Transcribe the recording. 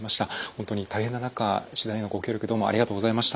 本当に大変な中取材のご協力どうもありがとうございました。